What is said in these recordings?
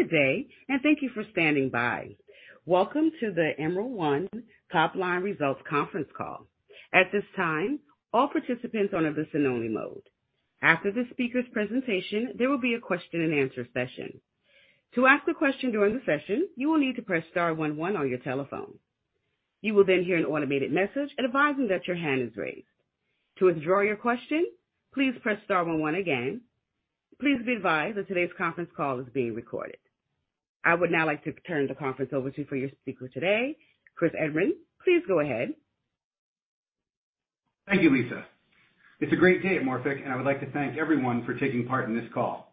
Good day, and thank you for standing by. Welcome to the EMERALD-1 Top Line Results Conference Call. At this time, all participants on a listen only mode. After the speaker's presentation, there will be a question-and-answer session. To ask a question during the session, you will need to press star one one on your telephone. You will then hear an automated message advising that your hand is raised. To withdraw your question, please press star one one again. Please be advised that today's conference call is being recorded. I would now like to turn the conference over to you for your speaker today, Chris Erdman. Please go ahead. Thank you, Lisa. It's a great day at Morphic. I would like to thank everyone for taking part in this call.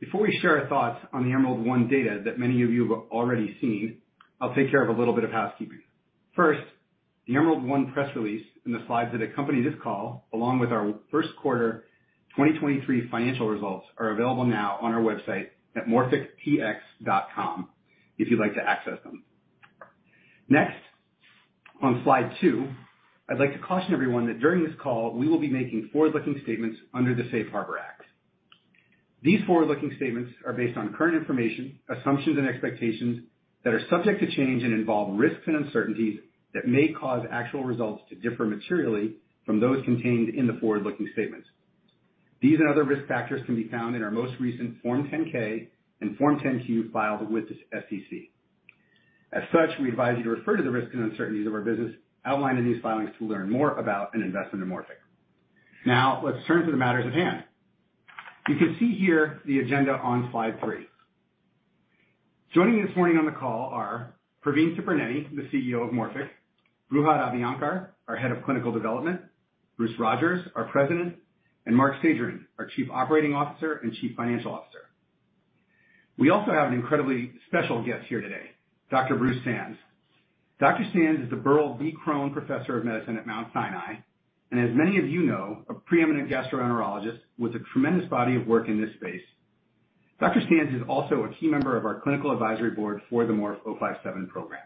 Before we share our thoughts on the EMERALD-1 data that many of you have already seen, I'll take care of a little bit of housekeeping. First, the EMERALD-1 press release and the slides that accompany this call, along with our first quarter 2023 financial results are available now on our website at morphictx.com if you'd like to access them. Next, on slide two, I'd like to caution everyone that during this call we will be making forward-looking statements under the Safe Harbor Act. These forward-looking statements are based on current information, assumptions and expectations that are subject to change and involve risks and uncertainties that may cause actual results to differ materially from those contained in the forward-looking statements. These and other risk factors can be found in our most recent Form 10-K and Form 10-Q filed with the SEC. As such, we advise you to refer to the risks and uncertainties of our business outlined in these filings to learn more about an investment in Morphic. Now let's turn to the matters at hand. You can see here the agenda on slide three. Joining me this morning on the call are Praveen Tipirneni, the CEO of Morphic, Brihad Abhyankar, our head of clinical development, Bruce Rogers, our President, and Marc Schegerin, our Chief Operating Officer and Chief Financial Officer. We also have an incredibly special guest here today, Dr. Bruce Sands. Dr. Sands is the Dr. Burrill B. Crohn Professor of Medicine at Mount Sinai, and as many of you know, a preeminent gastroenterologist with a tremendous body of work in this space. Dr. Sands is also a key member of our clinical advisory board for the MORF-057 program.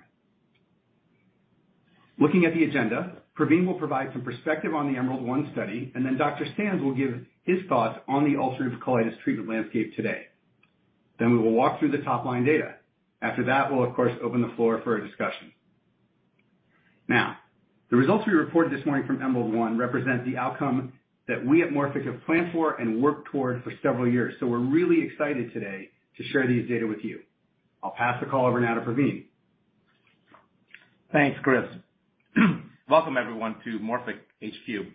Looking at the agenda, Praveen will provide some perspective on the EMERALD-1 study. Dr. Sands will give his thoughts on the ulcerative colitis treatment landscape today. We will walk through the top line data. After that, we'll of course, open the floor for a discussion. The results we reported this morning from EMERALD-1 represent the outcome that we at Morphic have planned for and worked towards for several years. We're really excited today to share these data with you. I'll pass the call over now to Praveen. Thanks, Chris. Welcome everyone to Morphic HQ.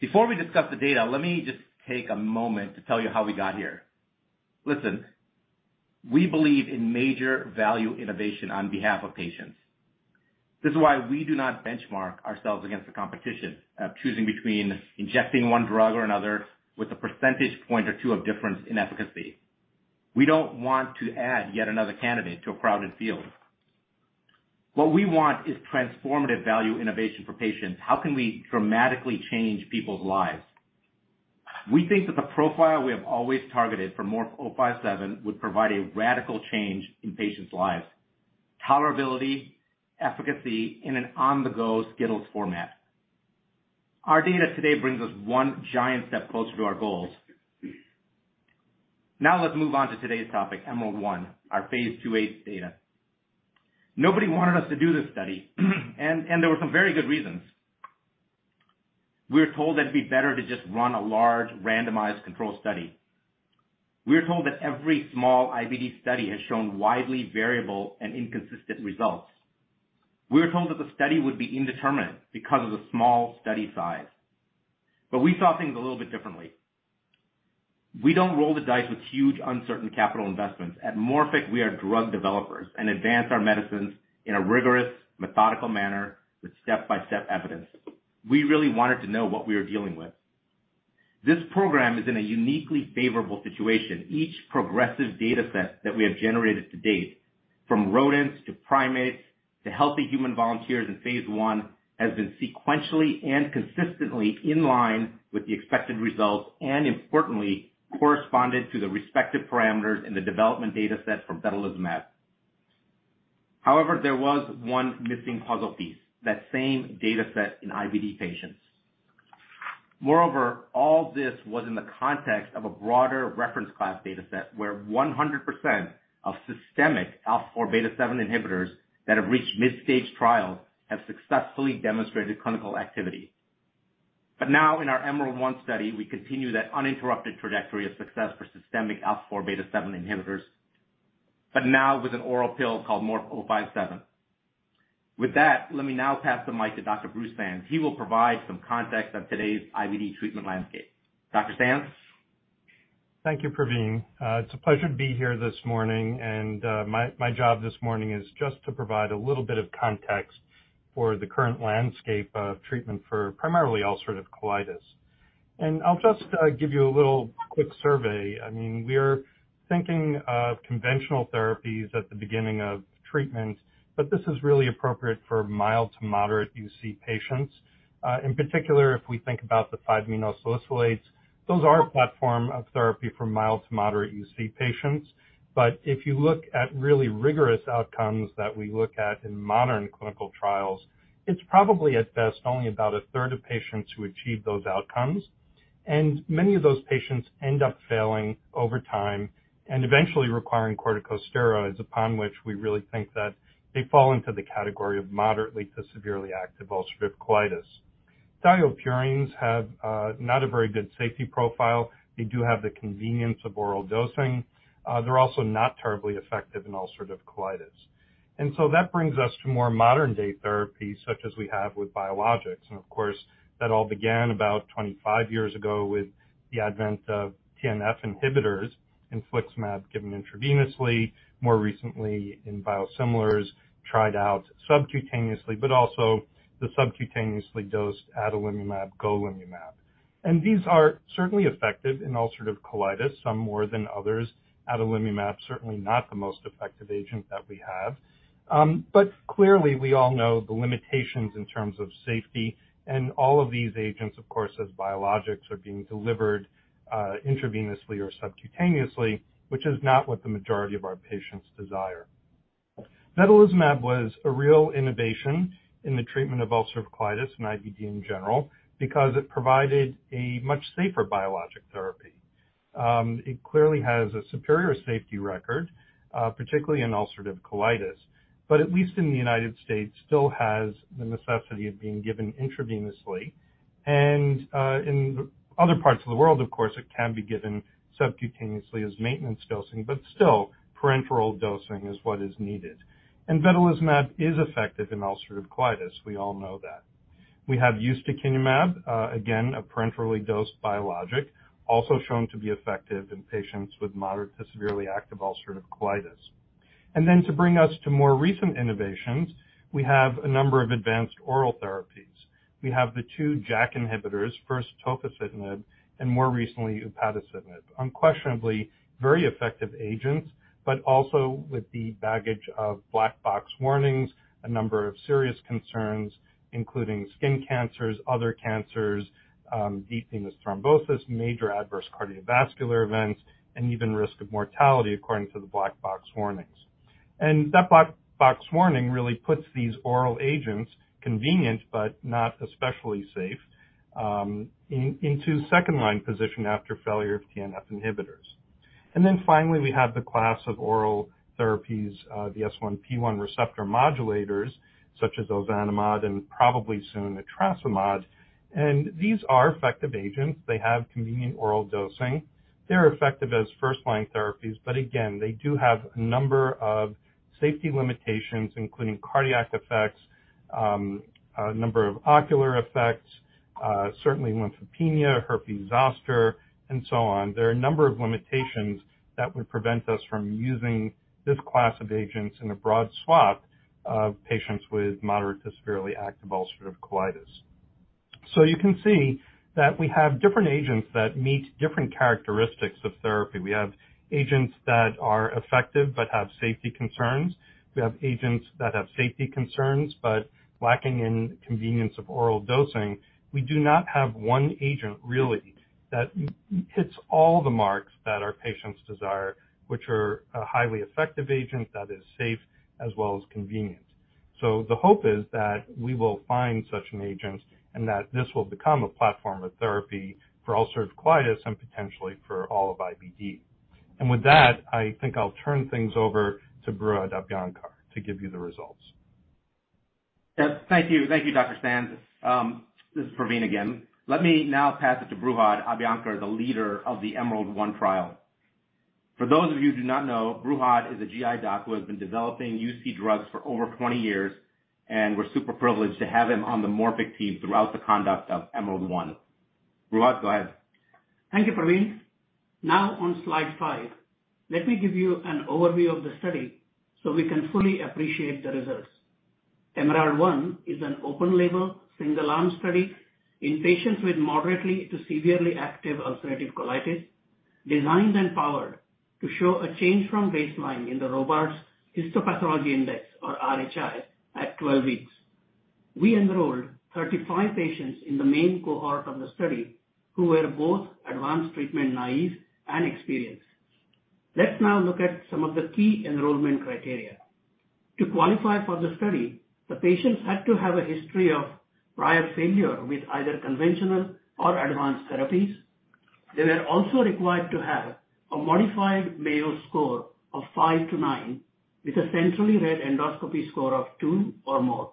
Before we discuss the data, let me just take a moment to tell you how we got here. We believe in major value innovation on behalf of patients. This is why we do not benchmark ourselves against the competition of choosing between injecting 1 drug or another with a percentage point or 2 of difference in efficacy. We don't want to add yet another candidate to a crowded field. What we want is transformative value innovation for patients. How can we dramatically change people's lives? We think that the profile we have always targeted for MORF-057 would provide a radical change in patients' lives, tolerability, efficacy, in an on-the-go Skittles format. Our data today brings us 1 giant step closer to our goals. Let's move on to today's topic, EMERALD-1, our phase II-A data. Nobody wanted us to do this study, and there were some very good reasons. We were told that it'd be better to just run a large randomized control study. We were told that every small IBD study has shown widely variable and inconsistent results. We were told that the study would be indeterminate because of the small study size. We saw things a little bit differently. We don't roll the dice with huge uncertain capital investments. At Morphic, we are drug developers and advance our medicines in a rigorous, methodical manner with step-by-step evidence. We really wanted to know what we were dealing with. This program is in a uniquely favorable situation. Each progressive data set that we have generated to date, from rodents to primates to healthy human volunteers in phase I, has been sequentially and consistently in line with the expected results, and importantly, corresponded to the respective parameters in the development data set from vedolizumab. However, there was one missing puzzle piece, that same data set in IBD patients. Moreover, all this was in the context of a broader reference class data set where 100% of systemic α4β7 inhibitors that have reached mid-stage trials have successfully demonstrated clinical activity. Now in our EMERALD-1 study, we continue that uninterrupted trajectory of success for systemic α4β7 inhibitors. Now with an oral pill called MORF-057. With that, let me now pass the mic to Dr. Bruce Sands. He will provide some context on today's IBD treatment landscape. Dr. Sands? Thank you, Praveen. It's a pleasure to be here this morning. My job this morning is just to provide a little bit of context for the current landscape of treatment for primarily ulcerative colitis. I'll just give you a little quick survey. I mean, we're thinking of conventional therapies at the beginning of treatment, but this is really appropriate for mild to moderate UC patients. In particular, if we think about the 5-aminosalicylates, those are a platform of therapy for mild to moderate UC patients. If you look at really rigorous outcomes that we look at in modern clinical trials, it's probably at best only about a third of patients who achieve those outcomes. Many of those patients end up failing over time and eventually requiring corticosteroids, upon which we really think that they fall into the category of moderately to severely active ulcerative colitis. thiopurines have not a very good safety profile. They do have the convenience of oral dosing. They're also not terribly effective in ulcerative colitis. That brings us to more modern-day therapies, such as we have with biologics. Of course, that all began about 25 years ago with the advent of TNF inhibitors, infliximab given intravenously, more recently in biosimilars, tried out subcutaneously, but also the subcutaneously dosed adalimumab, golimumab. These are certainly effective in ulcerative colitis, some more than others. Adalimumab, certainly not the most effective agent that we have. But clearly, we all know the limitations in terms of safety. All of these agents, of course, as biologics are being delivered intravenously or subcutaneously, which is not what the majority of our patients desire. Vedolizumab was a real innovation in the treatment of ulcerative colitis and IBD in general because it provided a much safer biologic therapy. It clearly has a superior safety record, particularly in ulcerative colitis, but at least in the United States, still has the necessity of being given intravenously. In other parts of the world, of course, it can be given subcutaneously as maintenance dosing, but still, parenteral dosing is what is needed. Vedolizumab is effective in ulcerative colitis. We all know that. We have ustekinumab, again, a parenterally dosed biologic, also shown to be effective in patients with moderate to severely active ulcerative colitis. Then to bring us to more recent innovations, we have a number of advanced oral therapies. We have the JAK2 inhibitors, first tofacitinib and more recently upadacitinib, unquestionably very effective agents, but also with the baggage of black box warnings, a number of serious concerns, including skin cancers, other cancers, deep venous thrombosis, major adverse cardiovascular events, and even risk of mortality, according to the black box warnings. That box warning really puts these oral agents, convenient but not especially safe, into second-line position after failure of TNF inhibitors. Finally, we have the class of oral therapies, the S1P1 receptor modulators such as ozanimod and probably soon etrasimod. These are effective agents. They have convenient oral dosing. They're effective as first-line therapies. Again, they do have a number of safety limitations, including cardiac effects, a number of ocular effects, certainly lymphopenia, herpes zoster, and so on. There are a number of limitations that would prevent us from using this class of agents in a broad swath of patients with moderate to severely active ulcerative colitis. You can see that we have different agents that meet different characteristics of therapy. We have agents that are effective but have safety concerns. We have agents that have safety concerns but lacking in convenience of oral dosing. We do not have one agent, really, that hits all the marks that our patients desire, which are a highly effective agent that is safe as well as convenient. The hope is that we will find such an agent and that this will become a platform of therapy for ulcerative colitis and potentially for all of IBD. With that, I think I'll turn things over to Brihad Abhyankar to give you the results. Yes. Thank you. Thank you, Dr. Sands. This is Praveen again. Let me now pass it to Brihad Abhyankar, the leader of the EMERALD-1 trial. For those of you who do not know, Brihad is a GI doc who has been developing UC drugs for over 20 years, and we're super privileged to have him on the Morphic team throughout the conduct of EMERALD-1. Brihad, go ahead. Thank you, Praveen. On slide 5, let me give you an overview of the study so we can fully appreciate the results. EMERALD-1 is an open-label, single-arm study in patients with moderately to severely active ulcerative colitis, designed and powered to show a change from baseline in the Robarts Histopathology Index, or RHI, at 12 weeks. We enrolled 35 patients in the main cohort of the study who were both advanced treatment naive and experienced. Let's now look at some of the key enrollment criteria. To qualify for the study, the patients had to have a history of prior failure with either conventional or advanced therapies. They were also required to have a modified Mayo score of five to nine with a centrally read endoscopy score of two or more.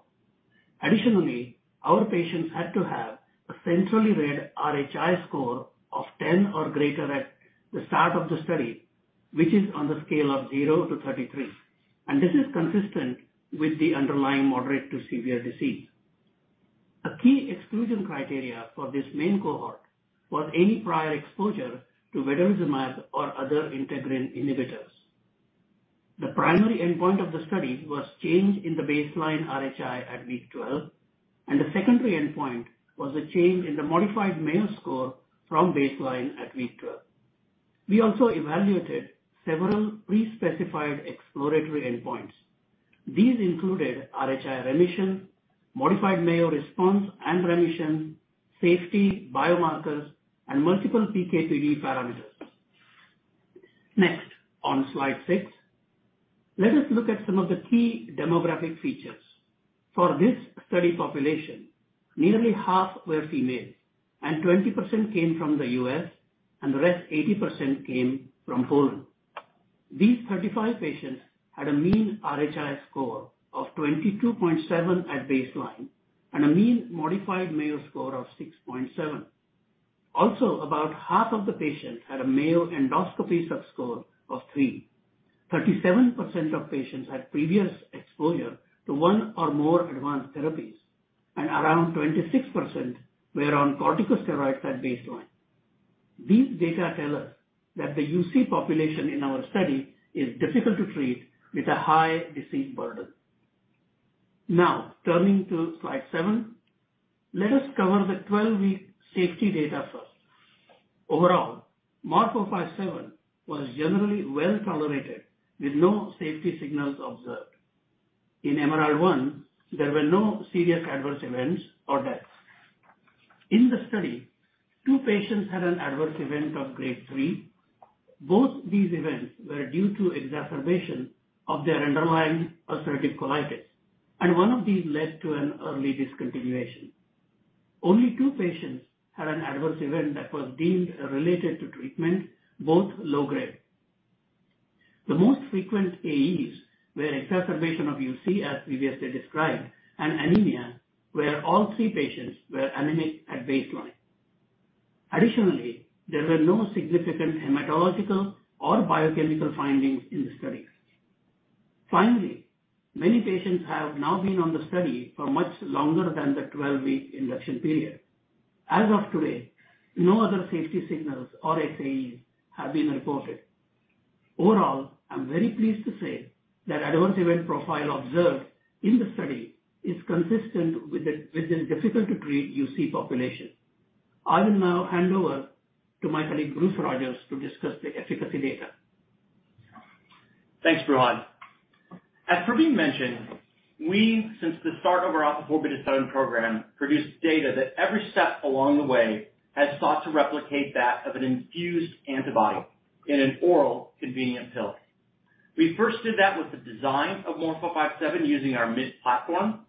Additionally, our patients had to have a centrally read RHI score of 10 or greater at the start of the study, which is on the scale of zero-33. This is consistent with the underlying moderate to severe disease. A key exclusion criteria for this main cohort was any prior exposure to vedolizumab or other integrin inhibitors. The primary endpoint of the study was change in the baseline RHI at week 12, and the secondary endpoint was a change in the modified Mayo score from baseline at week 12. We also evaluated several pre-specified exploratory endpoints. These included RHI remission, modified Mayo response and remission, safety, biomarkers, and multiple PK/PD parameters. Next on slide six, let us look at some of the key demographic features. For this study population, nearly half were female and 20% came from the U.S., and the rest 80% came from Poland. These 35 patients had a mean RHI score of 22.7 at baseline and a mean modified Mayo score of 6.7. About half of the patients had a Mayo endoscopy subscore of 3. 37% of patients had previous exposure to 1 or more advanced therapies, and around 26% were on corticosteroids at baseline. These data tell us that the UC population in our study is difficult to treat with a high disease burden. Turning to slide 7. Let us cover the 12-week safety data first. Overall, MORF-057 was generally well-tolerated, with no safety signals observed. In EMERALD-1, there were no serious adverse events or deaths. In the study, 2 patients had an adverse event of grade 3. Both these events were due to exacerbation of their underlying ulcerative colitis, and 1 of these led to an early discontinuation. Only two patients had an adverse event that was deemed related to treatment, both low-grade. The most frequent AEs were exacerbation of UC, as previously described, and anemia, where all three patients were anemic at baseline. Additionally, there were no significant hematological or biochemical findings in the study. Finally, many patients have now been on the study for much longer than the 12-week induction period. As of today, no other safety signals or AEs have been reported. Overall, I'm very pleased to say that adverse event profile observed in the study is consistent with the difficult to treat UC population. I will now hand over to my colleague, Bruce Rogers, to discuss the efficacy data. Thanks, Brihad. As Praveen mentioned, we, since the start of our α4β7 program, produced data that every step along the way has sought to replicate that of an infused antibody in an oral convenient pill. We first did that with the design of MORF-057 using our MInT Platform.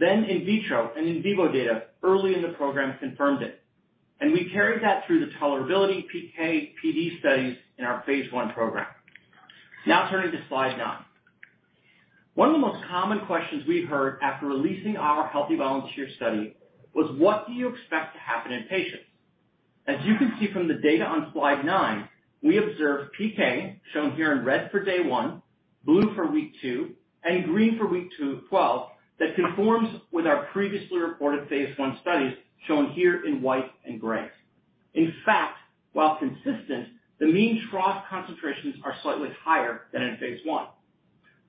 In vitro and in vivo data early in the program confirmed it, and we carried that through the tolerability PK/PD studies in our phase I program. Turning to slide nine. One of the most common questions we've heard after releasing our healthy volunteer study was what do you expect to happen in patients? As you can see from the data on slide nine, we observed PK, shown here in red for day one, blue for week two, and green for week 12, that conforms with our previously reported phase I studies shown here in white and gray. In fact, while consistent, the mean trough concentrations are slightly higher than in phase I.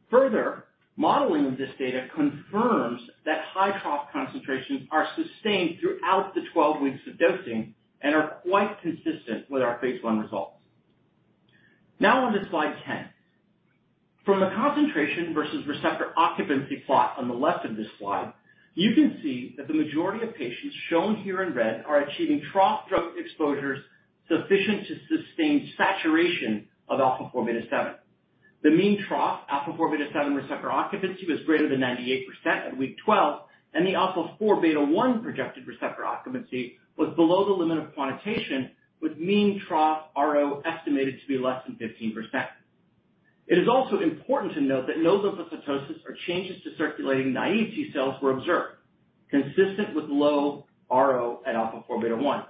Further, modeling of this data confirms that high trough concentrations are sustained throughout the 12 weeks of dosing and are quite consistent with our phase I results. Now onto slide 10. From the concentration versus receptor occupancy plot on the left of this slide, you can see that the majority of patients shown here in red are achieving trough drug exposures sufficient to sustain saturation of α4β7. The mean trough α4β7 receptor occupancy was greater than 98% at week 12, and the α4β1 projected receptor occupancy was below the limit of quantitation, with mean trough RO estimated to be less than 15%. It is also important to note that no lymphocytosis or changes to circulating naive T cells were observed, consistent with low RO at α4β1.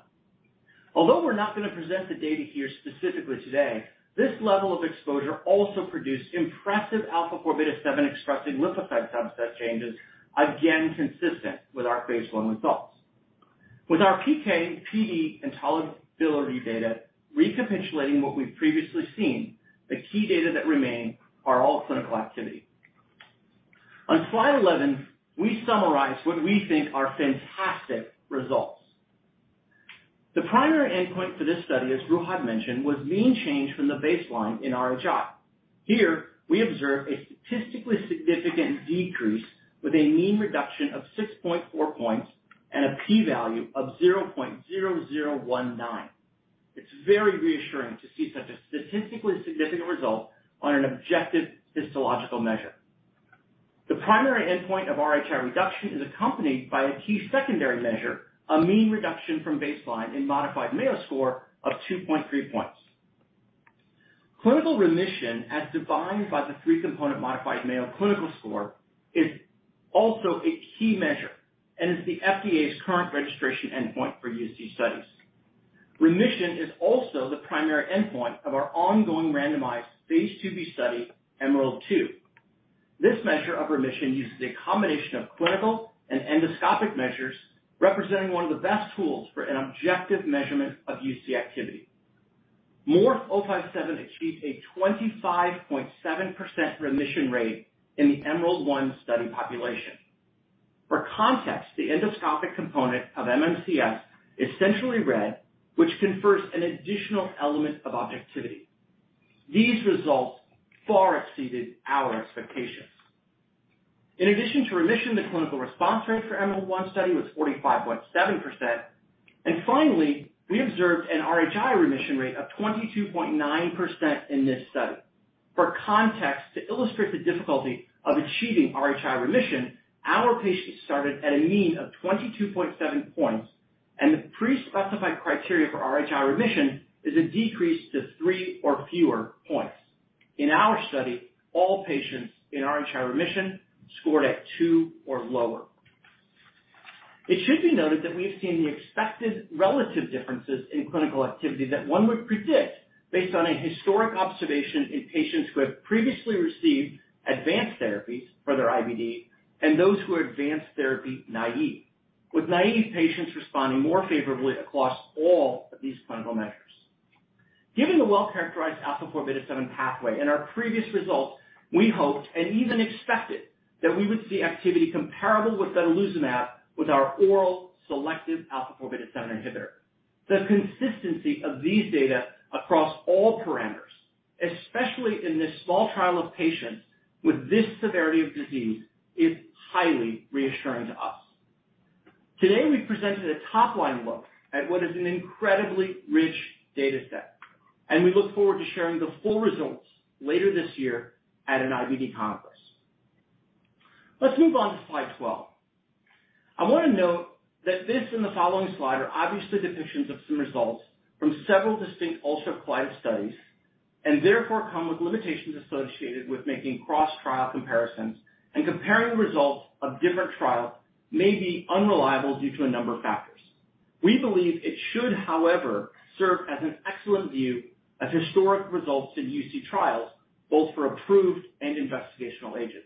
Although we're not going to present the data here specifically today, this level of exposure also produced impressive α4β7 expressing lymphocyte subset changes, again, consistent with our phase I results. With our PK, PD, and tolerability data recapitulating what we've previously seen, the key data that remain are all clinical activity. On slide 11, we summarize what we think are fantastic results. The primary endpoint for this study, as Brihad mentioned, was mean change from the baseline in RHI. Here we observe a statistically significant decrease with a mean reduction of 6.4 points and a P value of 0.0019. It's very reassuring to see such a statistically significant result on an objective histological measure. The primary endpoint of RHI reduction is accompanied by a key secondary measure, a mean reduction from baseline in modified Mayo score of 2.3 points. Clinical remission, as defined by the 3-component Modified Mayo Clinical Score, is also a key measure and is the FDA's current registration endpoint for UC studies. Remission is also the primary endpoint of our ongoing randomized phase II-B study, EMERALD-2. This measure of remission uses a combination of clinical and endoscopic measures representing 1 of the best tools for an objective measurement of UC activity. MORF-057 achieved a 25.7% remission rate in the EMERALD-1 study population. For context, the endoscopic component of MMCF is centrally read, which confers an additional element of objectivity. These results far exceeded our expectations. In addition to remission, the clinical response rate for EMERALD-1 study was 45.7%. Finally, we observed an RHI remission rate of 22.9% in this study. For context, to illustrate the difficulty of achieving RHI remission, our patients started at a mean of 22.7 points, and the pre-specified criteria for RHI remission is a decrease to three or fewer points. In our study, all patients in RHI remission scored at two or lower. It should be noted that we've seen the expected relative differences in clinical activity that one would predict based on a historic observation in patients who have previously received advanced therapies for their IBD and those who are advanced therapy naive, with naive patients responding more favorably across all of these clinical measures. Given the well-characterized α4β7 pathway and our previous results, we hoped and even expected that we would see activity comparable with vedolizumab with our oral selective α4β7 inhibitor. The consistency of these data across all parameters, especially in this small trial of patients with this severity of disease, is highly reassuring to us. Today, we presented a top-line look at what is an incredibly rich data set, and we look forward to sharing the full results later this year at an IBD Congress. Let's move on to slide 12. I wanna note that this and the following slide are obviously depictions of some results from several distinct ulcerative colitis studies. Therefore come with limitations associated with making cross-trial comparisons, and comparing results of different trials may be unreliable due to a number of factors. We believe it should, however, serve as an excellent view of historic results in UC trials, both for approved and investigational agents.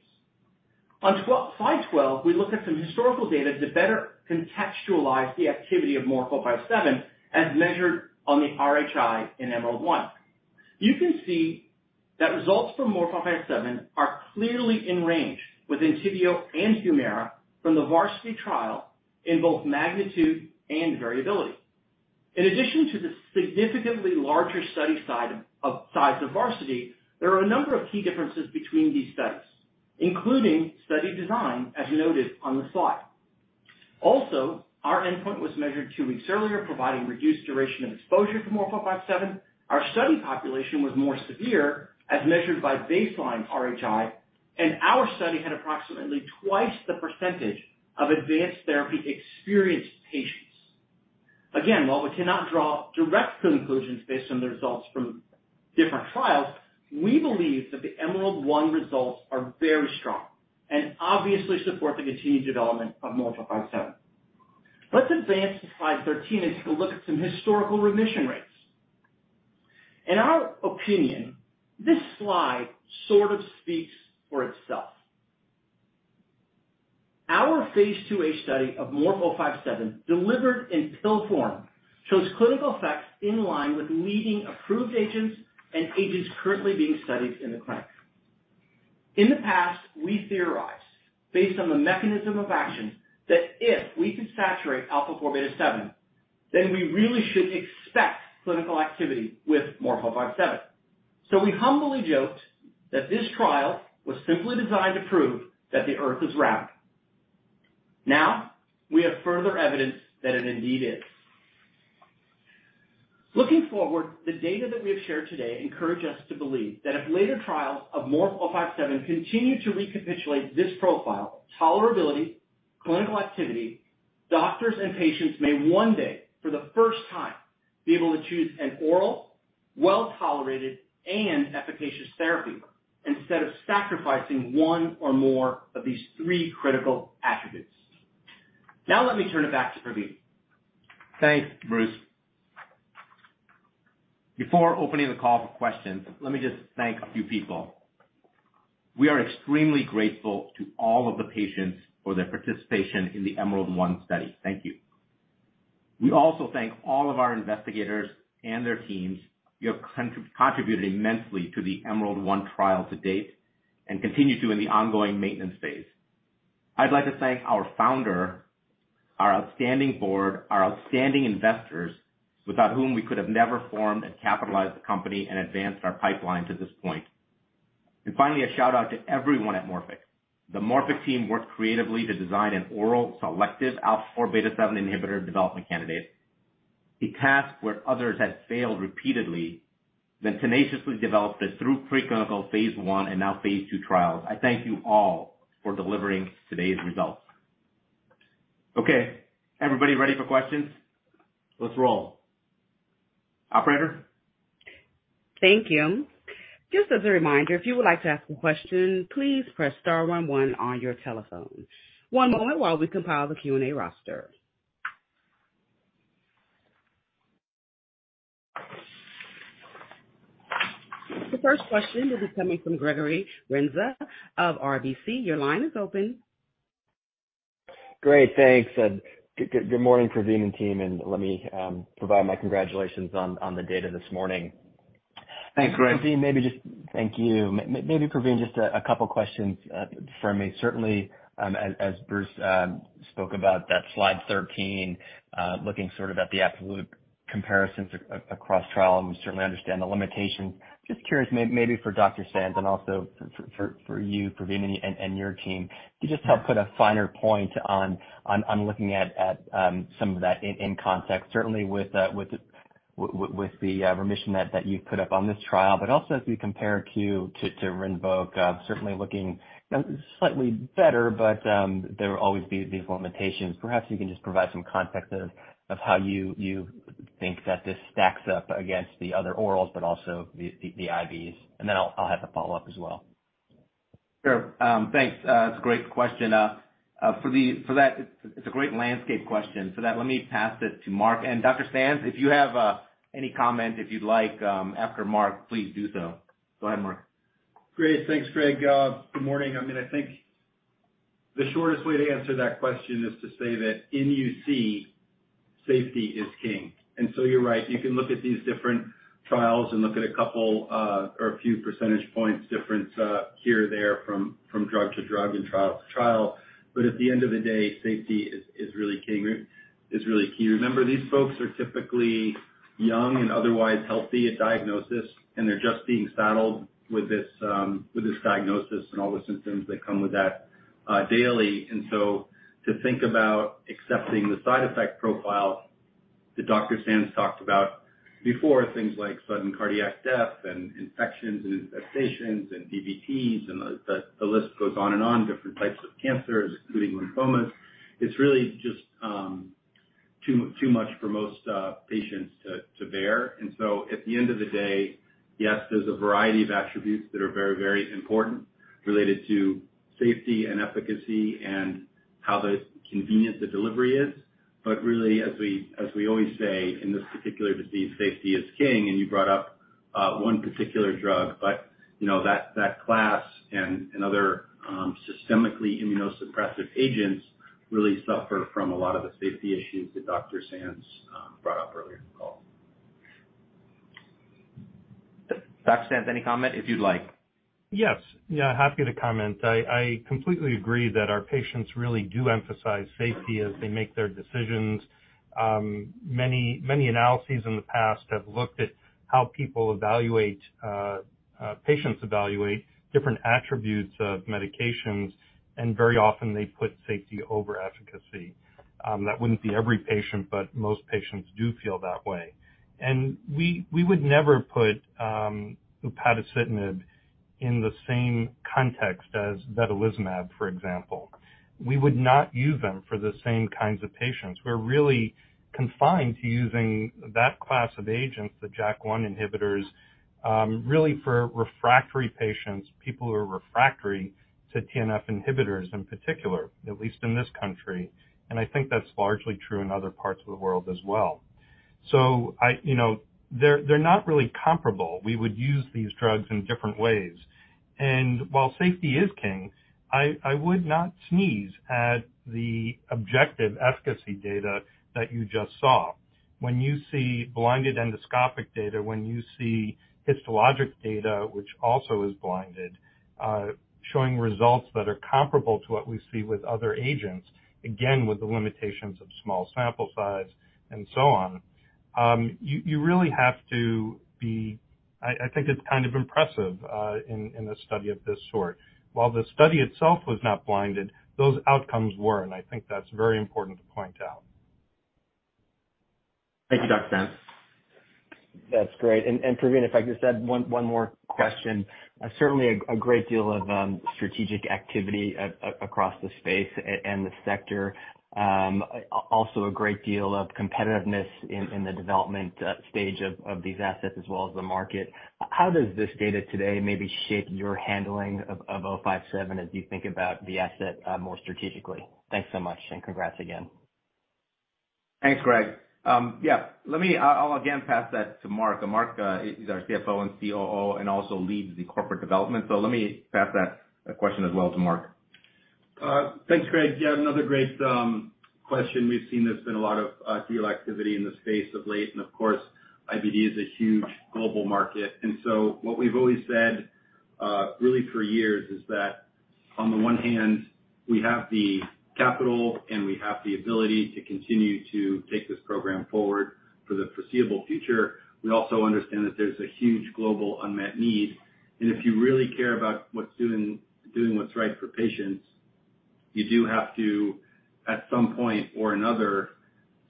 On slide 12, we look at some historical data to better contextualize the activity of MORF-057 as measured on the RHI in EMERALD-1. You can see that results from MORF-057 are clearly in range with ENTYVIO and HUMIRA from the VARSITY trial in both magnitude and variability. In addition to the significantly larger study size of VARSITY, there are a number of key differences between these studies, including study design, as noted on the slide. Also, our endpoint was measured 2 weeks earlier, providing reduced duration and exposure for MORF-057. Our study population was more severe as measured by baseline RHI, and our study had approximately two times the percentage of advanced therapy-experienced patients. While we cannot draw direct conclusions based on the results from different trials, we believe that the EMERALD-1 results are very strong and obviously support the continued development of MORF-057. Let's advance to slide 13 as we look at some historical remission rates. In our opinion, this slide sort of speaks for itself. Our phase II-A study of MORF-057 delivered in pill form shows clinical effects in line with leading approved agents and agents currently being studied in the clinic. In the past, we theorized, based on the mechanism of action, that if we could saturate α4β7, then we really should expect clinical activity with MORF-057. We humbly joked that this trial was simply designed to prove that the Earth is round. Now, we have further evidence that it indeed is. Looking forward, the data that we have shared today encourage us to believe that if later trials of MORF-057 continue to recapitulate this profile, tolerability, clinical activity, doctors and patients may one day, for the first time, be able to choose an oral, well-tolerated and efficacious therapy instead of sacrificing one or more of these three critical attributes. Let me turn it back to Praveen. Thanks, Bruce. Before opening the call for questions, let me just thank a few people. We are extremely grateful to all of the patients for their participation in the EMERALD-1 study. Thank you. We also thank all of our investigators and their teams. You have contributed immensely to the EMERALD-1 trial to date and continue to in the ongoing maintenance phase. I'd like to thank our founder, our outstanding board, our outstanding investors, without whom we could have never formed and capitalized the company and advanced our pipeline to this point. Finally, a shout-out to everyone at Morphic. The Morphic team worked creatively to design an oral selective α4β7 inhibitor development candidate, a task where others had failed repeatedly, then tenaciously developed it through preclinical phase I and now phase II trials. I thank you all for delivering today's results. Okay, everybody ready for questions? Let's roll. Operator? Thank you. Just as a reminder, if you would like to ask a question, please press star one one on your telephone. One moment while we compile the Q&A roster. The first question will be coming from Gregory Renza of RBC. Your line is open. Great. Thanks. Good morning, Praveen and team. Let me provide my congratulations on the data this morning. Thanks, Greg. Praveen, maybe just Thank you. maybe Praveen, just a couple questions from me. Certainly, as Bruce spoke about that slide 13, looking sort of at the absolute comparisons across trial, and we certainly understand the limitations. Just curious, maybe for Dr. Sands and also for you, Praveen, and your team, to just help put a finer point on looking at some of that in context, certainly with the remission that you've put up on this trial. Also as we compare to RINVOQ, certainly looking, you know, slightly better, but there will always be these limitations. Perhaps you can just provide some context of how you think that this stacks up against the other orals, but also the IVs. Then I'll have a follow-up as well. Sure. Thanks. That's a great question. For that, it's a great landscape question. For that, let me pass it to Marc. Dr. Sands, if you have any comment, if you'd like, after Marc, please do so. Go ahead, Marc. Great. Thanks, Greg. good morning. I mean, I think the shortest way to answer that question is to say that in UC, safety is king. You're right, you can look at these different trials and look at a couple, or a few percentage points difference, here or there from drug to drug and trial to trial. At the end of the day, safety is really king. Is really key. Remember, these folks are typically young and otherwise healthy at diagnosis, and they're just being saddled with this, with this diagnosis and all the symptoms that come with that, daily. To think about accepting the side effect profile that Dr. Sands talked about before, things like sudden cardiac death and infections and infestations and DVT and the list goes on and on, different types of cancers, including lymphomas. It's really just too much for most patients to bear. At the end of the day, yes, there's a variety of attributes that are very important related to safety and efficacy and how the convenience the delivery is. But really, as we always say, in this particular disease, safety is king. You brought up one particular drug, but, you know, that class and other systemically immunosuppressive agents really suffer from a lot of the safety issues that Dr. Sands brought up earlier in the call. Dr. Sands, any comment, if you'd like? Yes. Yeah, happy to comment. I completely agree that our patients really do emphasize safety as they make their decisions. Many analyses in the past have looked at how people evaluate, patients evaluate different attributes of medications, and very often they put safety over efficacy. That wouldn't be every patient, but most patients do feel that way. We would never put upadacitinib in the same context as vedolizumab, for example. We would not use them for the same kinds of patients. We're really confined to using that class of agents, the JAK1 inhibitors, really for refractory patients, people who are refractory to TNF inhibitors in particular, at least in this country, and I think that's largely true in other parts of the world as well. I, you know, they're not really comparable. We would use these drugs in different ways. While safety is king, I would not sneeze at the objective efficacy data that you just saw. When you see blinded endoscopic data, when you see histologic data, which also is blinded, showing results that are comparable to what we see with other agents, again, with the limitations of small sample size and so on, you really have to be... I think it's kind of impressive in a study of this sort. While the study itself was not blinded, those outcomes were, I think that's very important to point out. Thank you, Dr. Sands. That's great. Praveen, if I could just add one more question. Certainly a great deal of strategic activity across the space and the sector. Also a great deal of competitiveness in the development stage of these assets as well as the market. How does this data today maybe shape your handling of MORF-057 as you think about the asset more strategically? Thanks so much, and congrats again. Thanks, Greg. Yeah, let me, I'll again pass that to Marc. Marc is our CFO and COO and also leads the corporate development. Let me pass that question as well to Marc. Thanks, Greg. Yeah, another great question. We've seen there's been a lot of deal activity in the space of late and of course, IBD is a huge global market. What we've always said, really for years is that on the one hand, we have the capital and we have the ability to continue to take this program forward for the foreseeable future. We also understand that there's a huge global unmet need. If you really care about what's doing what's right for patients, you do have to, at some point or another,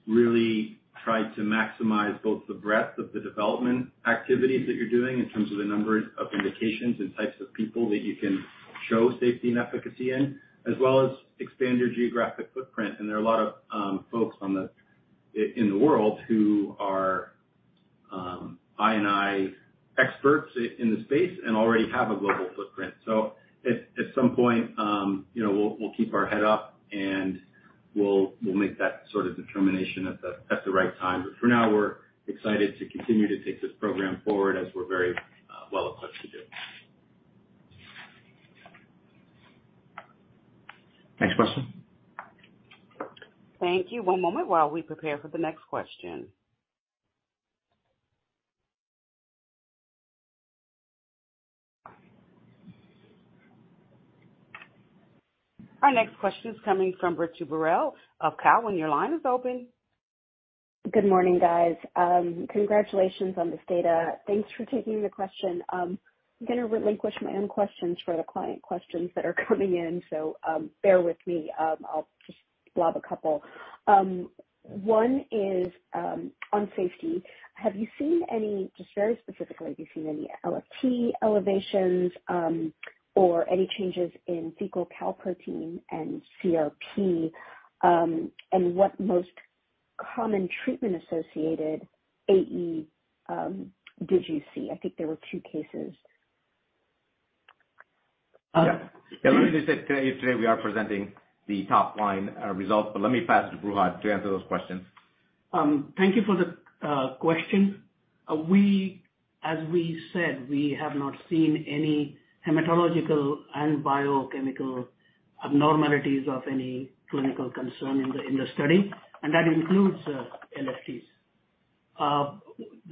really try to maximize both the breadth of the development activities that you're doing in terms of the number of indications and types of people that you can show safety and efficacy in, as well as expand your geographic footprint. There are a lot of folks in the world who are IBD experts in the space and already have a global footprint. At some point, you know, we'll keep our head up, and we'll make that sort of determination at the right time. For now, we're excited to continue to take this program forward as we're very well equipped to do. Next question. Thank you. One moment while we prepare for the next question. Our next question is coming from Ritu Baral of Cowen. Your line is open. Good morning, guys. Congratulations on this data. Thanks for taking the question. I'm gonna relinquish my own questions for the client questions that are coming in, so, bear with me. I'll just blob a couple. One is, on safety. Just very specifically, have you seen any LFT elevations, or any changes in fecal calprotectin and CRP, and what most common treatment-associated AE, did you see? I think there were two cases. Yeah. Yeah. Let me just say today we are presenting the top line results, but let me pass to Brihad to answer those questions. Thank you for the question. As we said, we have not seen any hematological and biochemical abnormalities of any clinical concern in the study, and that includes LFTs.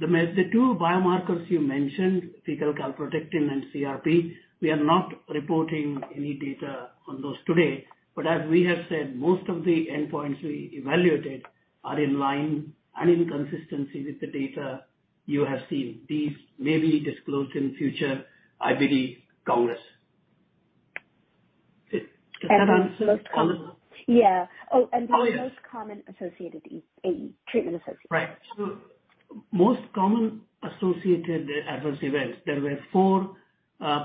The two biomarkers you mentioned, fecal calprotectin and CRP, we are not reporting any data on those today, but as we have said, most of the endpoints we evaluated are in line and in consistency with the data you have seen. These may be disclosed in future IBD Congress. Does that answer the question? Yeah. Most common associated AE, treatment-associated. Right. Most common associated adverse events, there were four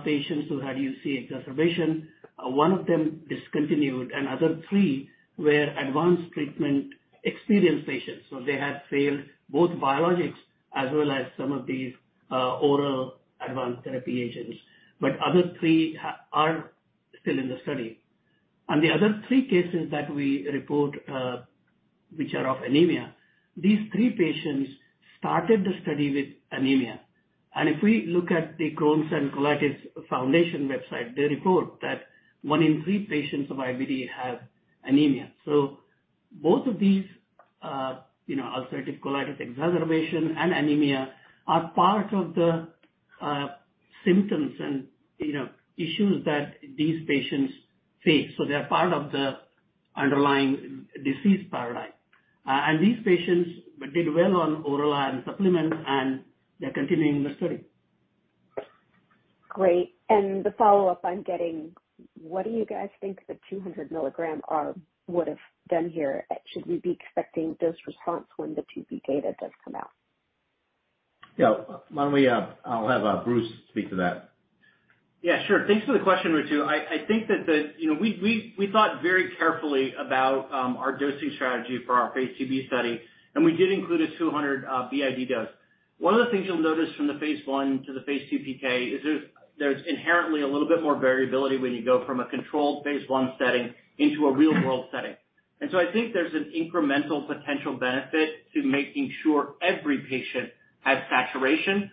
patients who had UC exacerbation. One of them discontinued, and other three were advanced treatment experienced patients, so they had failed both biologics as well as some of these oral advanced therapy agents. Other three are still in the study. The other three cases that we report, which are of anemia, these three patients started the study with anemia. If we look at the Crohn's & Colitis Foundation website, they report that one in three patients of IBD have anemia. Both of these, you know, ulcerative colitis exacerbation and anemia are part of the symptoms and, you know, issues that these patients face. They're part of the underlying disease paradigm. These patients did well on oral iron supplements, and they're continuing the study. Great. The follow-up I'm getting, what do you guys think the 200 mg would've done here? Should we be expecting this response when the phase II-B data does come out? Yeah. Why don't we, I'll have Bruce speak to that. Yeah, sure. Thanks for the question, Ritu. I think that the... You know, we thought very carefully about our dosing strategy for our phase II-B study, and we did include a 200 BID dose. One of the things you'll notice from the phase I to the phase II PK is there's inherently a little bit more variability when you go from a controlled phase I setting into a real world setting. I think there's an incremental potential benefit to making sure every patient has saturation.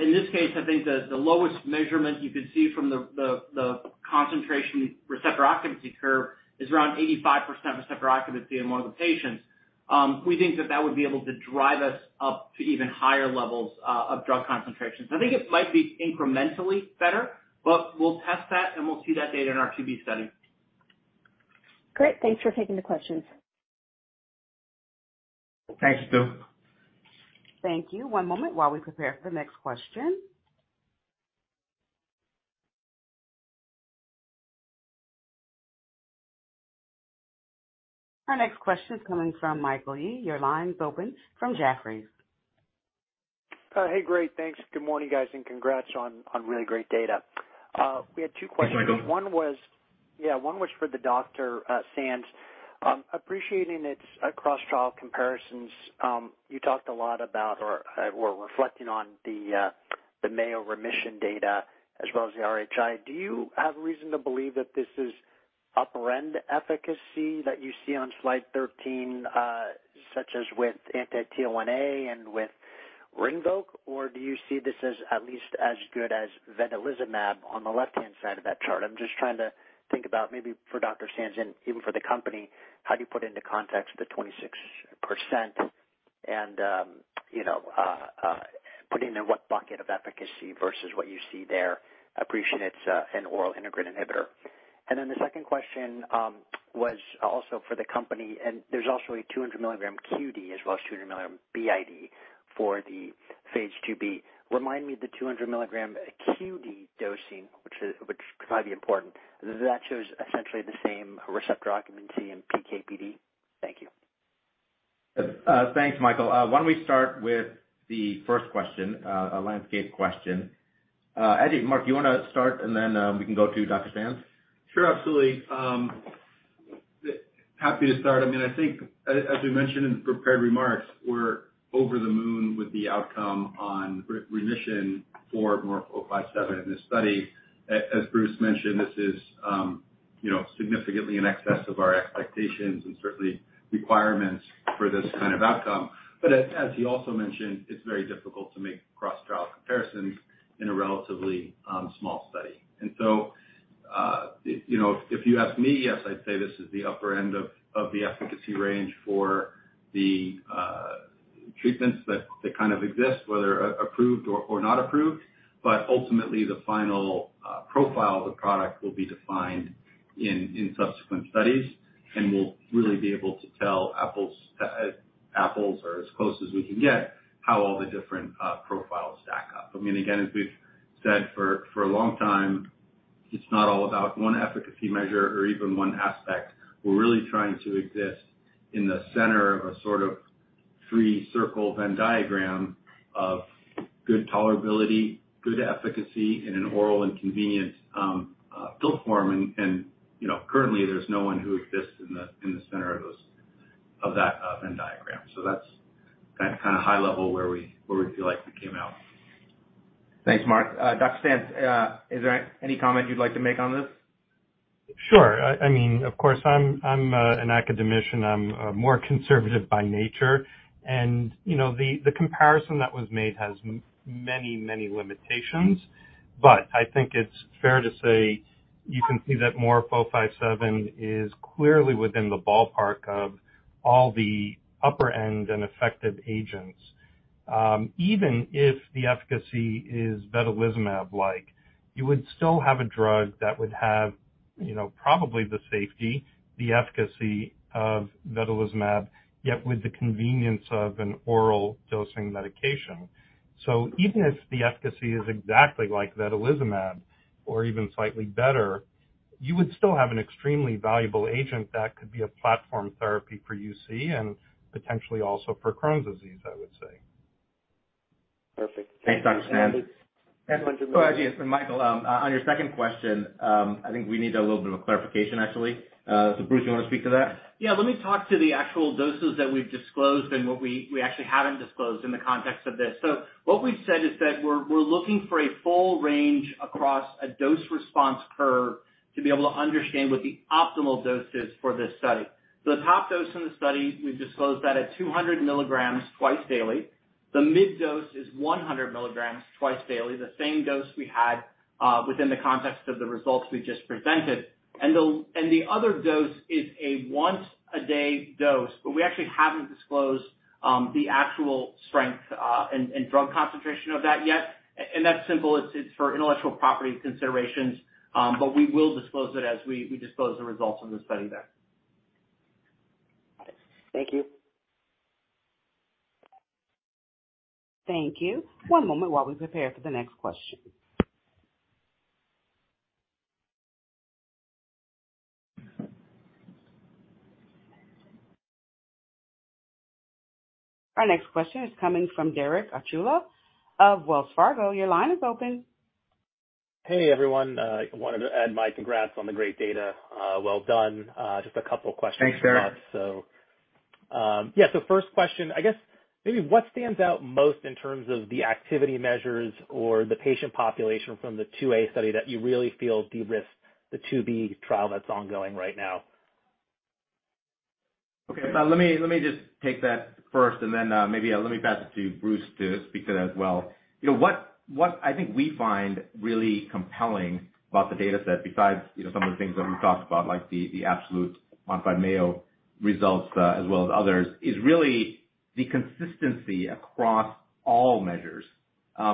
In this case, I think the lowest measurement you can see from the concentration receptor occupancy curve is around 85% receptor occupancy in one of the patients. We think that that would be able to drive us up to even higher levels of drug concentrations. I think it might be incrementally better, but we'll test that, and we'll see that data in our II-B study. Great. Thanks for taking the questions. Thanks, Ritu. Thank you. One moment while we prepare for the next question. Our next question is coming from Michael Yee. Your line's open from Jefferies. Hey. Great. Thanks. Good morning, guys, congrats on really great data. We had two questions. Hi, Michael. One was. Yeah. One was for Dr. Sands. Appreciating its cross trial comparisons, you talked a lot about reflecting on the Mayo Remission data as well as the RHI. Do you have reason to believe that this is upper end efficacy that you see on slide 13, such as with anti-TL1A and with RINVOQ? Do you see this as at least as good as vedolizumab on the left-hand side of that chart? I'm just trying to think about maybe for Dr. Sands and even for the company, how do you put into context the 26% and, you know, put it in what bucket of efficacy versus what you see there? Appreciate it's an oral integrin inhibitor. The second question was also for the company. There's also a 200 mg QD as well as 200 mg BID for the phase II-B. Remind me the 200 mg QD dosing, which could probably be important. That shows essentially the same receptor occupancy in PK/PD. Thank you. Thanks, Michael. Why don't we start with the first question, a landscape question. Marc, do you wanna start and then we can go to Dr. Sands? Sure. Absolutely. Happy to start. I mean, I think as we mentioned in the prepared remarks, we're over the moon with the outcome on re-remission for MORF-057 in this study. As Bruce mentioned, this is, you know, significantly in excess of our expectations and certainly requirements for this kind of outcome. As he also mentioned, it's very difficult to make cross trial comparisons in a relatively small study. If you ask me, yes, I'd say this is the upper end of the efficacy range for the treatments that kind of exist, whether approved or not approved. Ultimately the final profile of the product will be defined in subsequent studies, and we'll really be able to tell apples to apples or as close as we can get, how all the different profiles stack up. I mean, again, as we've said for a long time, it's not all about one efficacy measure or even one aspect. We're really trying to exist in the center of a sort of three circle Venn diagram of good tolerability, good efficacy in an oral and convenient pill form. You know, currently there's no one who exists in the center of those of that Venn diagram. That's kind of high level where we feel like we came out. Thanks, Marc. Dr. Sands, is there any comment you'd like to make on this? Sure. I mean, of course, I'm an academician. I'm more conservative by nature. You know, the comparison that was made has many, many limitations. I think it's fair to say you can see that MORF-057 is clearly within the ballpark of all the upper end and effective agents. Even if the efficacy is vedolizumab like, you would still have a drug that would have, you know, probably the safety, the efficacy of vedolizumab, yet with the convenience of an oral dosing medication. Even if the efficacy is exactly like vedolizumab or even slightly better, you would still have an extremely valuable agent that could be a platform therapy for UC and potentially also for Crohn's disease, I would say. Perfect. Thanks, Dr. Sands. Michael, on your second question, I think we need a little bit of a clarification, actually. Bruce, you wanna speak to that? Yeah. Let me talk to the actual doses that we've disclosed and what we actually haven't disclosed in the context of this. What we've said is that we're looking for a full range across a dose response curve to be able to understand what the optimal dose is for this study. The top dose in the study, we've disclosed that at 200 mg twice daily. The mid dose is 100 mg twice daily, the same dose we had within the context of the results we just presented. The other dose is a once a day dose, we actually haven't disclosed the actual strength and drug concentration of that yet. That's simple. It's for intellectual property considerations. We will disclose it as we disclose the results from the study then. Got it. Thank you. Thank you. One moment while we prepare for the next question. Our next question is coming from Derek Archila of Wells Fargo. Your line is open. Hey, everyone. I wanted to add my congrats on the great data. Well done. Just a couple of questions for us. Yeah. First question, I guess maybe what stands out most in terms of the activity measures or the patient population from the phase II-A study that you really feel de-risks the phase II-B trial that's ongoing right now? Okay. Let me just take that first and then maybe let me pass it to Bruce to speak to that as well. You know what I think we find really compelling about the data set besides, you know, some of the things that we've talked about, like the absolute modified Mayo results, as well as others, is really the consistency across all measures. You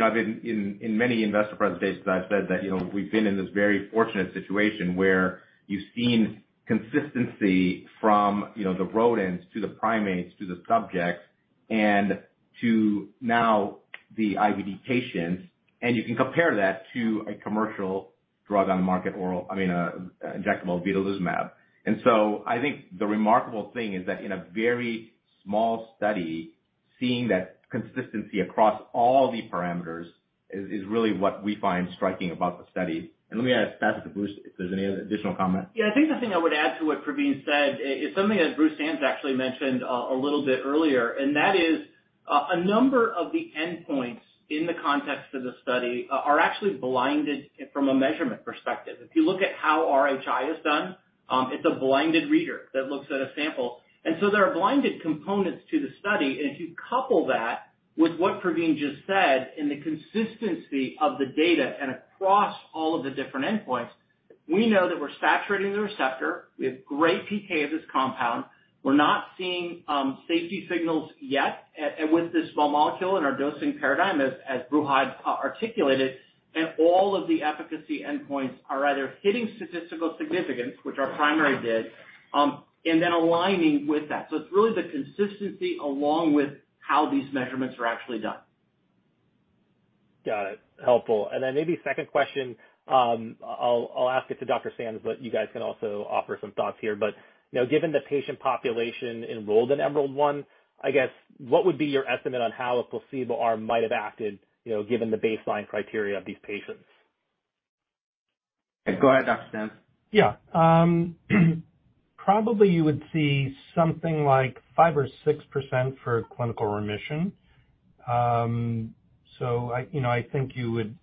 know, I've been in many investor presentations, I've said that, you know, we've been in this very fortunate situation where you've seen consistency from, you know, the rodents to the primates to the subjects and to now the IBD patients. You can compare that to a commercial drug on the market oral, I mean, injectable vedolizumab. I think the remarkable thing is that in a very small study, seeing that consistency across all the parameters is really what we find striking about the study. Let me pass it to Bruce if there's any other additional comment. Yeah. I think the thing I would add to what Praveen said is something that Bruce Sands actually mentioned a little bit earlier, and that is a number of the endpoints in the context of the study are actually blinded from a measurement perspective. If you look at how RHI is done, it's a blinded reader that looks at a sample. There are blinded components to the study. If you couple that with what Praveen just said in the consistency of the data and across all of the different endpoints, we know that we're saturating the receptor. We have great PK of this compound. We're not seeing safety signals yet and with this small molecule in our dosing paradigm, as Brihad articulated, all of the efficacy endpoints are either hitting statistical significance, which our primary did, and then aligning with that. It's really the consistency along with how these measurements are actually done. Got it. Helpful. Maybe second question, I'll ask it to Dr. Sands, but you guys can also offer some thoughts here. You know, given the patient population enrolled in EMERALD-1, I guess, what would be your estimate on how a placebo arm might have acted, you know, given the baseline criteria of these patients? Go ahead, Dr. Sands. Yeah. Probably you would see something like 5% or 6% for clinical remission. I, you know, I think you would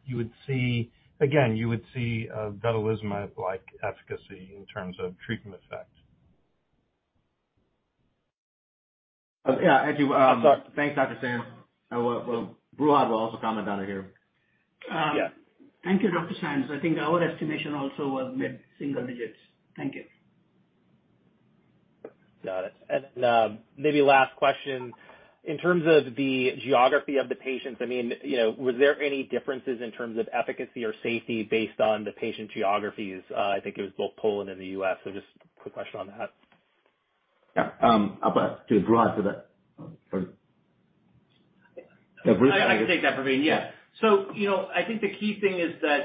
see. Again, you would see a vedolizumab-like efficacy in terms of treatment effect. Yeah. You. Sorry. Thanks, Dr. Sands. Brihad will also comment on it here. Thank you, Dr. Sands. I think our estimation also was mid-single digits. Thank you. Got it. Maybe last question. In terms of the geography of the patients, I mean, you know, were there any differences in terms of efficacy or safety based on the patient geographies? I think it was both Poland and the U.S., just quick question on that? Yeah. Sorry. I can take that, Praveen. Yeah. You know, I think the key thing is that,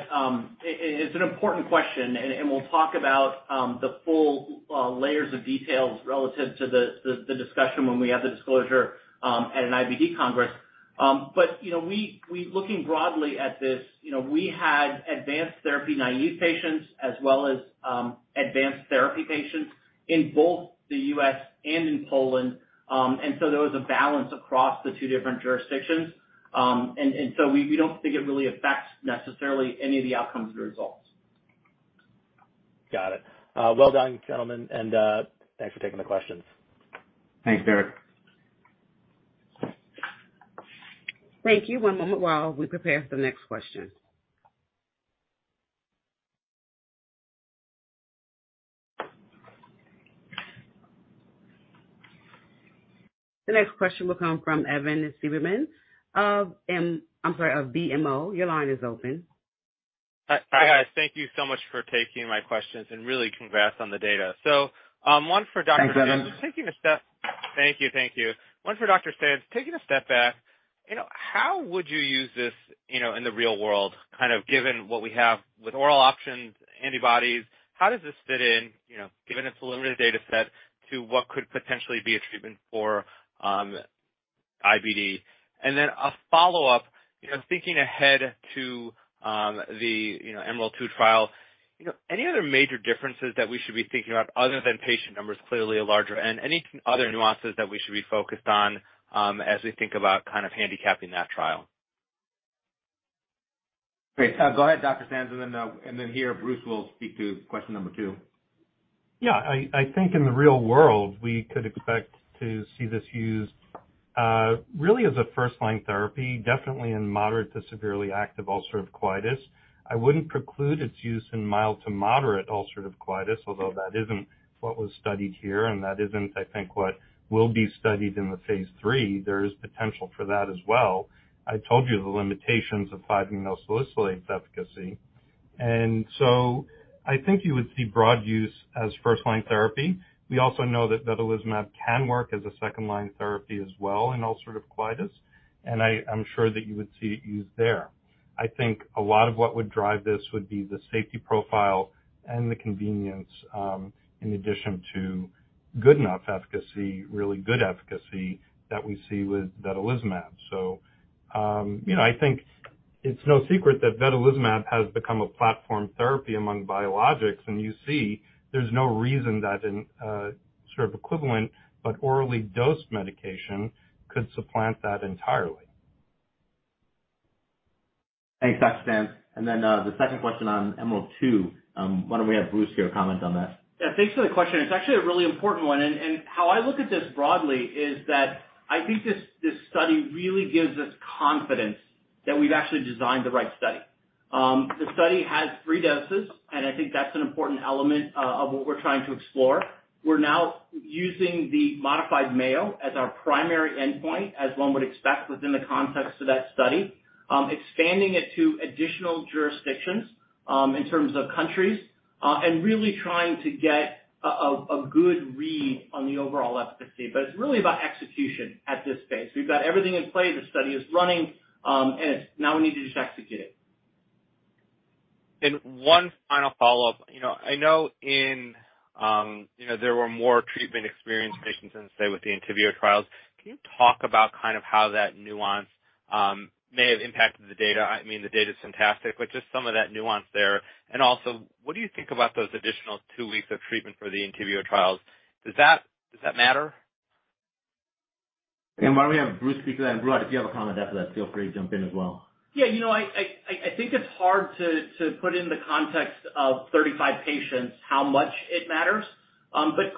it's an important question and we'll talk about the full layers of details relative to the discussion when we have the disclosure, at an IBD Congress. You know, looking broadly at this, you know, we had advanced therapy naive patients as well as advanced therapy patients in both the U.S. and in Poland. There was a balance across the two different jurisdictions. We don't think it really affects necessarily any of the outcomes or results. Got it. Well done, gentlemen, and thanks for taking the questions. Thanks, Derek. Thank you. One moment while we prepare for the next question. The next question will come from Evan Seigerman of I'm sorry, of BMO. Your line is open. Hi. Hi, guys. Thank you so much for taking my questions and really congrats on the data. One for Dr. Sands. Thanks, Evan. Thank you. Thank you. One for Dr. Sands. Taking a step back, you know, how would you use this, you know, in the real world, kind of given what we have with oral options, antibodies, how does this fit in, you know, given it's a limited data set, to what could potentially be a treatment for, IBD? Then a follow-up, you know, thinking ahead to, the, you know, EMERALD-2 trial, you know, any other major differences that we should be thinking about other than patient numbers, clearly larger, and any other nuances that we should be focused on, as we think about kind of handicapping that trial? Great. Go ahead, Dr. Sands, and then here, Bruce will speak to question number 2. I think in the real world, we could expect to see this used, really as a first-line therapy, definitely in moderate to severely active ulcerative colitis. I wouldn't preclude its use in mild to moderate ulcerative colitis, although that isn't what was studied here, and that isn't, I think, what will be studied in the phase III. There is potential for that as well. I told you the limitations of 5-aminosalicylate's efficacy. I think you would see broad use as first-line therapy. We also know that vedolizumab can work as a second-line therapy as well in ulcerative colitis, I'm sure that you would see it used there. I think a lot of what would drive this would be the safety profile and the convenience, in addition to good enough efficacy, really good efficacy that we see with vedolizumab. You know, I think it's no secret that vedolizumab has become a platform therapy among biologics, and you see there's no reason that an sort of equivalent, but orally dosed medication could supplant that entirely. Thanks, Dr. Sands. The second question on EMERALD-2, why don't we have Bruce here comment on that? Yeah, thanks for the question. It's actually a really important one. How I look at this broadly is that I think this study really gives us confidence that we've actually designed the right study. The study has three doses, and I think that's an important element, of what we're trying to explore. We're now using the modified Mayo as our primary endpoint, as one would expect within the context of that study, expanding it to additional jurisdictions, in terms of countries, and really trying to get a, a good read on the overall efficacy. It's really about execution at this phase. We've got everything in play. The study is running. Now we need to just execute it. One final follow-up. I know in, you know, there were more treatment-experienced patients than, say with the INTUVAX trials. Can you talk about kind of how that nuance may have impacted the data? I mean, the data's fantastic, but just some of that nuance there. Also, what do you think about those additional two weeks of treatment for the INTUVAX trials? Does that matter? Why don't we have Bruce speak to that? Praveen, if you have a comment after that, feel free to jump in as well. Yeah. You know, I think it's hard to put in the context of 35 patients how much it matters.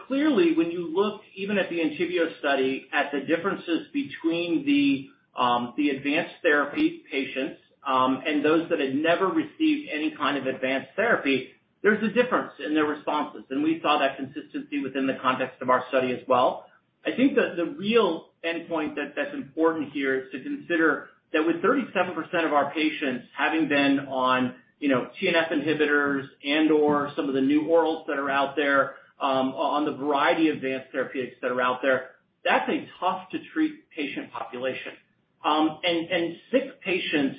Clearly, when you look even at the INTUVAX study at the differences between the advanced therapy patients, and those that had never received any kind of advanced therapy, there's a difference in their responses, and we saw that consistency within the context of our study as well. I think that the real endpoint that's important here is to consider that with 37% of our patients having been on, you know, TNF inhibitors and/or some of the new orals that are out there, on the variety of advanced therapeutics that are out there, that's a tough to treat patient population. Sick patients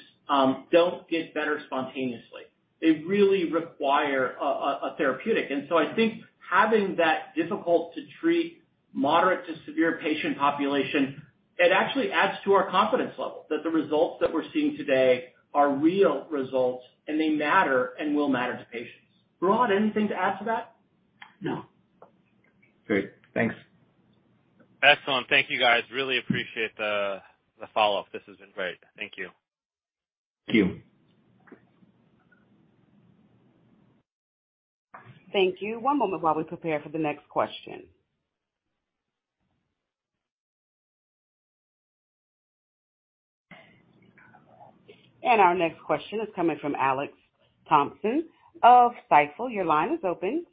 don't get better spontaneously. They really require a therapeutic. I think having that difficult to treat moderate to severe patient population, it actually adds to our confidence level that the results that we're seeing today are real results, and they matter and will matter to patients. Praveen, anything to add to that? No. Great. Thanks. Excellent. Thank you guys. Really appreciate the follow-up. This has been great. Thank you. Thank you. Thank you. One moment while we prepare for the next question. Our next question is coming from Alex Thompson of Stifel. Your line is open.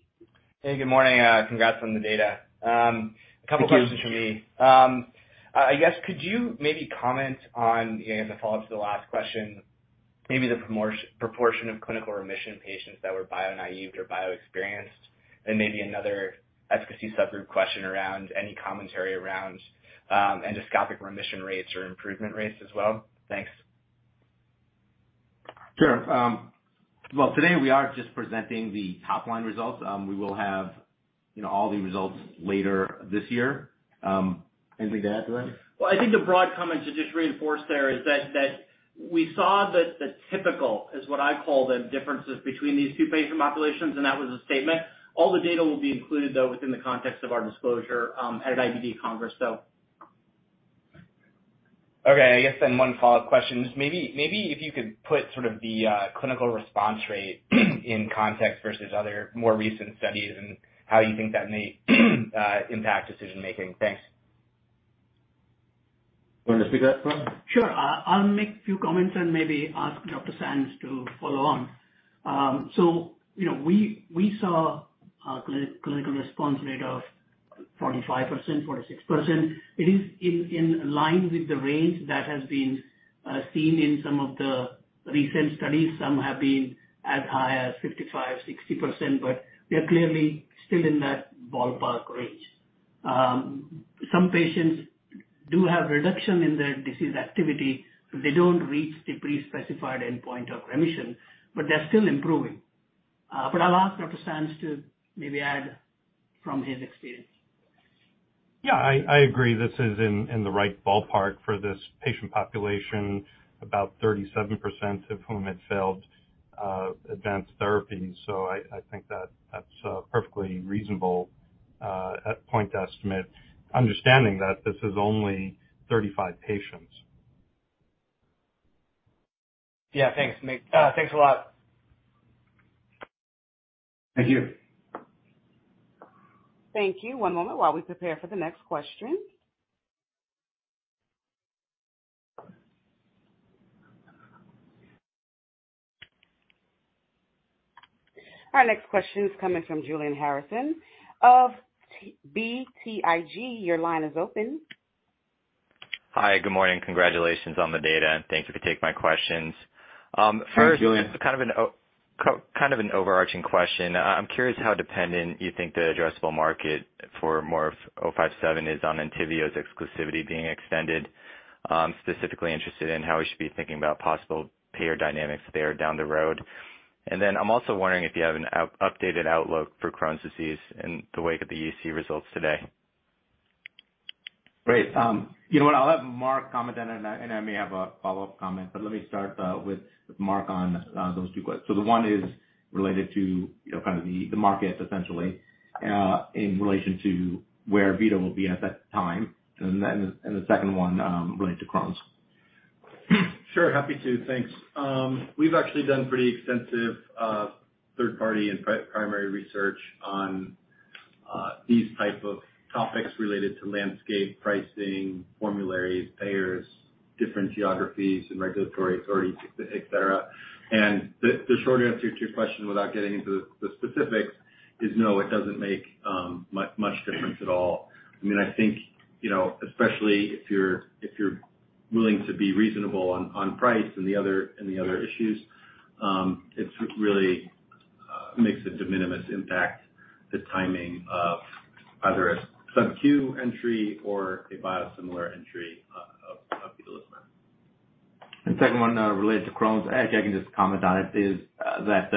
Hey, good morning. Congrats on the data. Couple questions from me. I guess could you maybe comment on, you know, as a follow-up to the last question, maybe the proportion of clinical remission patients that were bio-naïve or bio-experienced? Maybe another efficacy subgroup question around any commentary around endoscopic remission rates or improvement rates as well. Thanks. Sure. Well, today we are just presenting the top-line results. We will have, you know, all the results later this year. Anything to add to that? I think the broad comment to just reinforce there is that we saw the typical, is what I call the differences between these two patient populations, and that was a statement. All the data will be included, though, within the context of our disclosure at IBD Congress. Okay. I guess then one follow-up question. Just maybe if you could put sort of the clinical response rate in context versus other more recent studies and how you think that may impact decision-making. Thanks. You want to speak to that, Brihad? Sure. I'll make a few comments and maybe ask Dr. Sands to follow on. You know, we saw a clinical response rate of 45%, 46%. It is in line with the range that has been seen in some of the recent studies. Some have been as high as 55%, 60%, but we are clearly still in that ballpark range. Some patients do have reduction in their disease activity, but they don't reach the pre-specified endpoint of remission, but they're still improving. I'll ask Dr. Sands to maybe add from his experience. Yeah. I agree. This is in the right ballpark for this patient population, about 37% of whom had failed advanced therapy. I think that that's a perfectly reasonable endpoint estimate, understanding that this is only 35 patients. Yeah. Thanks, mate. Thanks a lot. Thank you. Thank you. One moment while we prepare for the next question. Our next question is coming from Julian Harrison of BTIG. Your line is open. Hi. Good morning. Congratulations on the data. Thanks if you take my questions. Hi, Julian. First, just kind of an overarching question. I'm curious how dependent you think the addressable market for MORF-057 is on ENTYVIO's exclusivity being extended? Specifically interested in how we should be thinking about possible payer dynamics there down the road. I'm also wondering if you have an updated outlook for Crohn's disease in the wake of the UC results today? Great. You know what? I'll have Marc comment, and then, and I may have a follow-up comment. Let me start with Marc on those two. So the one is related to, you know, kind of the market essentially in relation to where Vita will be at that time. The second one related to Crohn's. Sure. Happy to. Thanks. We've actually done pretty extensive, third-party and primary research on these type of topics related to landscape pricing, formulary payers, different geographies and regulatory authorities, et cetera. The short answer to your question without getting into the specifics is no, it doesn't make much difference at all. I mean, I think, you know, especially if you're willing to be reasonable on price and the other issues, it's really makes a de minimis impact the timing of either a sub-Q entry or a biosimilar entry of vedolizumab. Second one, related to Crohn's, actually I can just comment on it, is that,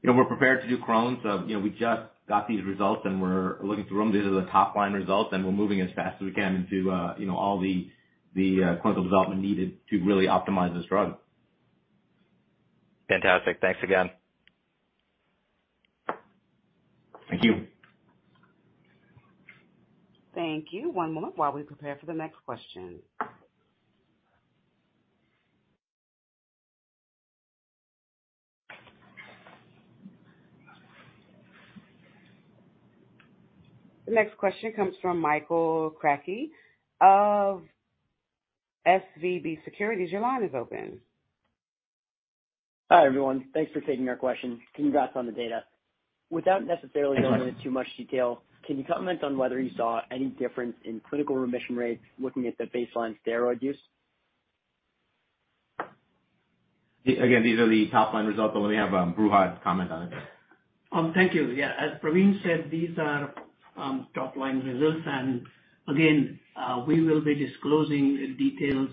you know, we're prepared to do Crohn's. You know, we just got these results, and we're looking through them. These are the top-line results, and we're moving as fast as we can into, you know, all the clinical development needed to really optimize this drug. Fantastic. Thanks again. Thank you. Thank you. One moment while we prepare for the next question. The next question comes from Mike Kratky of SVB Securities. Your line is open. Hi, everyone. Thanks for taking our questions. Congrats on the data. Without necessarily going into too much detail, can you comment on whether you saw any difference in clinical remission rates looking at the baseline steroid use? Again, these are the top-line results, but let me have, Brihad comment on it. Thank you. As Praveen said, these are top-line results. Again, we will be disclosing the details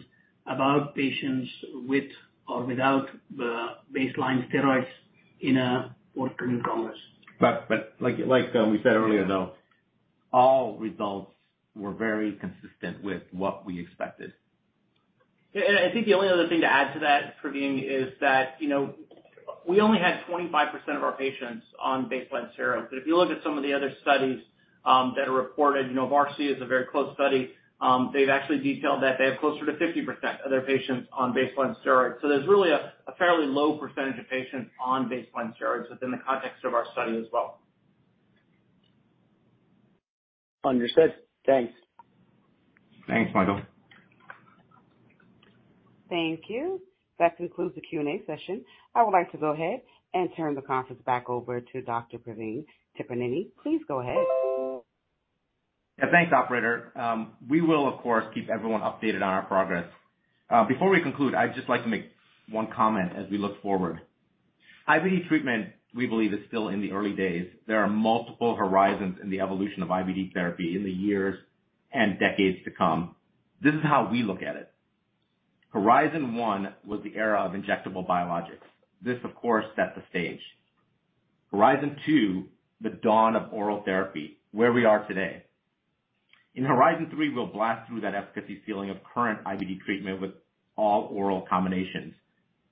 about patients with or without the baseline steroids in a forthcoming congress. Like, we said earlier, though, all results were very consistent with what we expected. Yeah. I think the only other thing to add to that, Praveen, is that, you know, we only had 25% of our patients on baseline steroids. If you look at some of the other studies that are reported. You know, VARSITY is a very close study. They've actually detailed that they have closer to 50% of their patients on baseline steroids. There's really a fairly low percentage of patients on baseline steroids within the context of our study as well. Understood. Thanks. Thanks, Michael. Thank you. That concludes the Q&A session. I would like to go ahead and turn the conference back over to Dr. Praveen Tipirneni. Please go ahead. Yeah. Thanks, operator. We will, of course, keep everyone updated on our progress. Before we conclude, I'd just like to make one comment as we look forward. IBD treatment, we believe, is still in the early days. There are multiple horizons in the evolution of IBD therapy in the years and decades to come. This is how we look at it. Horizon one was the era of injectable biologics. This, of course, set the stage. Horizon two, the dawn of oral therapy, where we are today. In horizon three, we'll blast through that efficacy ceiling of current IBD treatment with all oral combinations,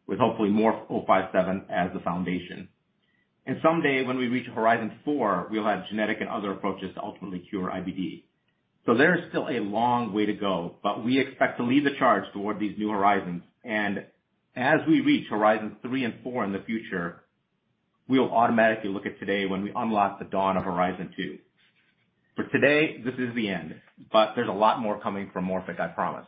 with hopefully MORF-057 as the foundation. Someday, when we reach horizon four, we'll have genetic and other approaches to ultimately cure IBD. There is still a long way to go, but we expect to lead the charge toward these new horizons. As we reach horizons three and four in the future, we will automatically look at today when we unlock the dawn of horizon two. For today, this is the end, but there's a lot more coming from Morphic, I promise.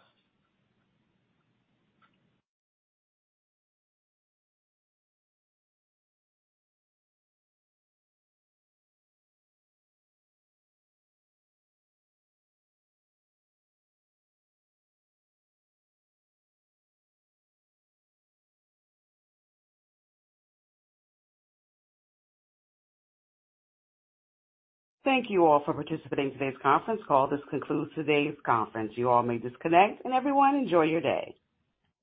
Thank you all for participating in today's conference call. This concludes today's conference. You all may disconnect, and everyone, enjoy your day.